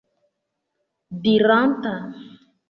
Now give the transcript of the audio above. diranta